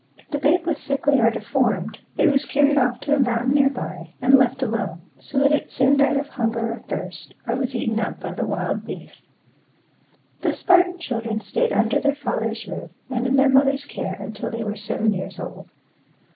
If the babe was sickly or deformed, it was carried off to a mountain near by, and left alone; so that it soon died of hunger or thirst, or was eaten up by the wild beasts. The Spartan children staid under their father's roof and in their mother's care until they were seven years old.